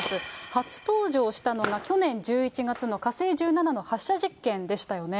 初登場したのが、去年１１月の火星１７の発射実験でしたよね。